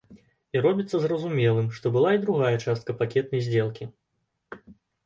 І робіцца зразумелым, што была і другая частка пакетнай здзелкі.